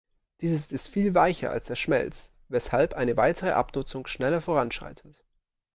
Dieses ist viel weicher als der Schmelz, weshalb eine weitere Abnutzung schneller voranschreitet.